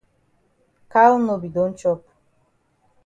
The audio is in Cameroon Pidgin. Cow no be don chop.